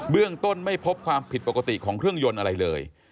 เรื่องต้นไม่พบความผิดปกติของเครื่องยนต์อะไรเลย